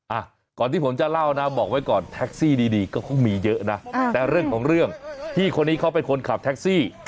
อ่ะก่อนที่ผมจะเล่านะบอกไว้ก่อนแท็กซี่ดีก็คงมีเยอะนะแต่เรื่องของเรื่องพี่คนนี้เขาเป็นคนขับแท็กซี่